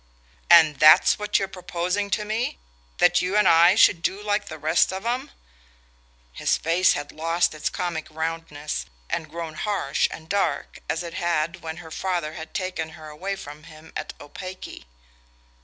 "And that's what you're proposing to me? That you and I should do like the rest of 'em?" His face had lost its comic roundness and grown harsh and dark, as it had when her father had taken her away from him at Opake.